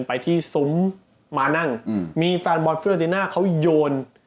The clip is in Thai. ไปที่ซุ้มมานั่งมีฟมาลต์ฟิโรติน่าเขาโยน